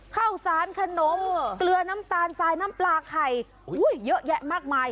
ข้าวสารขนมเกลือน้ำตาลทรายน้ำปลาไข่เยอะแยะมากมาย